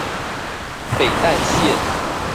北淡線